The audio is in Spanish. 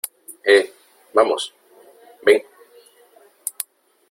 eh , vamos ... ven ...